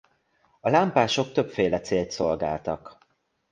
A lámpások többféle célt szolgáltak.